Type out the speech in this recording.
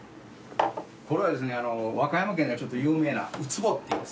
これはですね和歌山県では有名なウツボっていうお魚。